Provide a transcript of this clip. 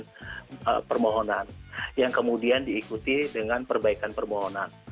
dan permohonan yang kemudian diikuti dengan perbaikan permohonan